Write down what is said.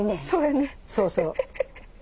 そうそう。